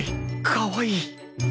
かわいい！